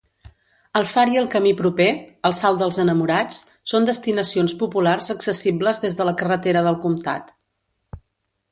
El far i el camí proper, el "salt dels enamorats", són destinacions populars accessibles des de la carretera del comtat.